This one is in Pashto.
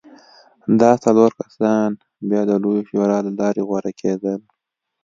دا څلور کسان بیا د لویې شورا له لارې غوره کېدل.